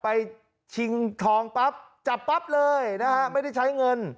ชิงทองปั๊บจับปั๊บเลยนะฮะไม่ได้ใช้เงิน